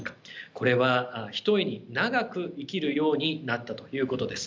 これはひとえに長く生きるようになったということです。